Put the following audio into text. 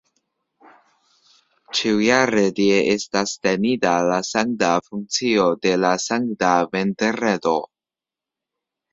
Ĉiujare tie estas tenita la sankta funkcio de la Sankta Vendredo.